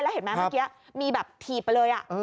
เห็นไหมเมื่อกี้มีแบบถีบไปเลย